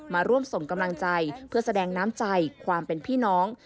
มาร่วมส่งกำลังใจเพื่อแสดงน้ำใจความเป็นพี่น้อง